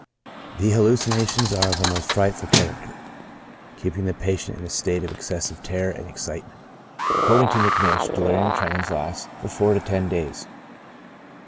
The 22 CHRONIC ALCOHOLISM. hallucinations are of a most frightful character, keeping the patient in a state of excessive terror and excitement. According to Macnish, delirium tremens lasts from four to ten days.